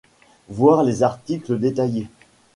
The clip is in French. Voir les articles détaillés.